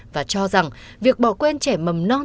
và cho rằng việc bỏ quên trẻ mầm non